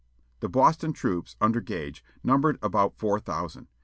The Boston troops, under Gage, numbered about four thousand.